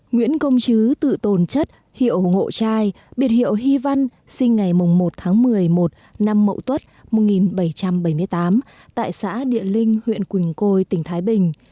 nguyễn công chứ tự tồn chất hiệu ngộ trai biệt hiệu hy văn sinh ngày một một mươi một một mươi năm một nghìn bảy trăm bảy mươi tám tại xã địa linh huyện quỳnh côi tỉnh thái bình